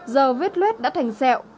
giờ vết luet đã thành sẹo